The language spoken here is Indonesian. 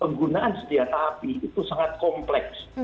penggunaan senjata api itu sangat kompleks